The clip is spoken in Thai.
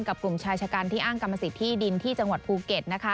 กลุ่มชายชะกันที่อ้างกรรมสิทธิดินที่จังหวัดภูเก็ต